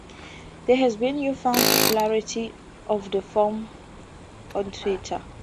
There has been newfound popularity of the form on Twitter.